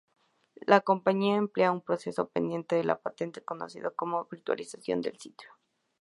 La compañía emplea un proceso pendiente de patente conocido como "virtualización del sitio".